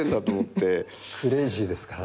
クレイジーですからね。